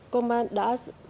công an đã